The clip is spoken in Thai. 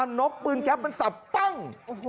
นกปืนแก๊ปมันสับปั้ง